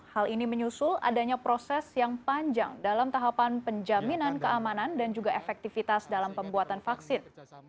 hal ini menyusul adanya proses yang panjang dalam tahapan penjaminan keamanan dan juga efektivitas dalam pembuatan vaksin